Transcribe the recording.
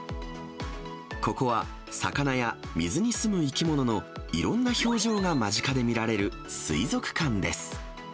ここは魚や水に住む生き物のいろんな表情が間近で見られる水族館です。